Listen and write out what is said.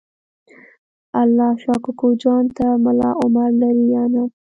الله شا کوکو جان ته ملا عمر لرې یا نه؟